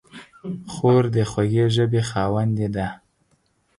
خور د خوږې ژبې خاوندې ده.